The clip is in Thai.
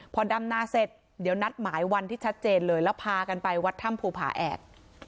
พอดำนาเสร็จเดี๋ยวนัดหมายวันที่ชัดเจนเลยแล้วพากันไปวัดถ้ำภูผาแอก